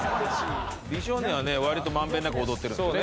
美少年はね割と満遍なく踊ってるんだよね